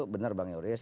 benar bang yoris